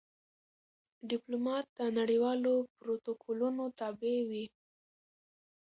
ډيپلومات د نړېوالو پروتوکولونو تابع وي.